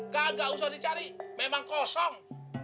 kagak usah dicari memang kosong